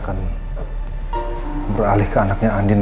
tapi jika dia terus di sini saya tidak akan tidur